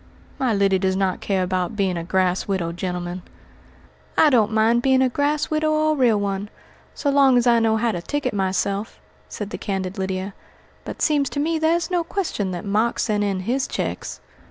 "My Lyddy does not care about being a grass widow, gentlemen." "I don't mind being a grass widow or a real one, so long as I know how to ticket myself," said the candid Lydia; "but seems to me there's no question that Mark's sent in his checks."